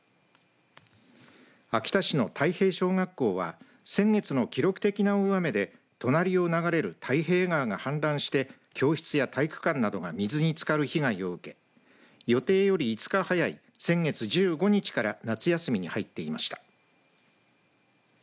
秋田市の太平小学校は先月の記録的な大雨で隣を流れる太平川が氾濫して教室や体育館などが水につかる被害を受け予定より５日早い先月１５日から夏休みに入っていました。